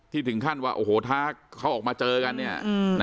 ถึงขั้นว่าโอ้โหท้าเขาออกมาเจอกันเนี่ย